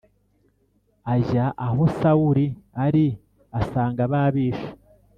ajya aho Sawuli ari asanga babishe